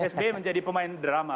sby menjadi pemain drama